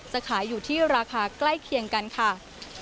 จะขายอยู่ที่ราคาใกล้เคียงกันค่ะ